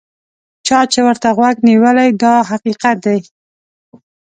چا چې ورته غوږ نیولی دا حقیقت دی.